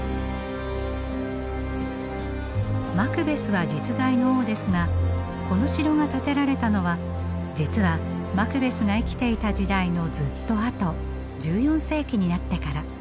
マクベスは実在の王ですがこの城が建てられたのは実はマクベスが生きていた時代のずっとあと１４世紀になってから。